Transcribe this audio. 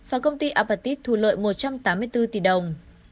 apatit thu lợi một trăm tám mươi bốn tỷ đồng